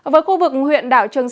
với khu vực huyện đảo trần sơn